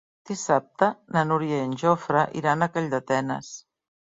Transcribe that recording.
Dissabte na Núria i en Jofre iran a Calldetenes.